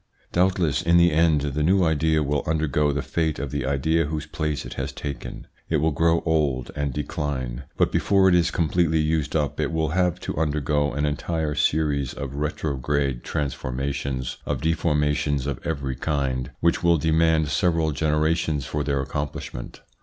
Doubtless in the end the new idea will undergo the fate of the idea whose place it has taken. It will grow old and decline ; but before it is completely used up it will have to undergo an entire series of retrograde trans ITS INFLUENCE ON THEIR EVOLUTION 181 formations, of deformations of every kind, which will demand several generations for their accomplishment.